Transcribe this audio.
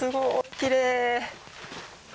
きれい！